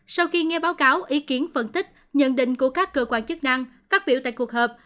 sau khi nghe báo cáo ý kiến phân tích nhận định của các cơ quan chức năng phát biểu tại cuộc họp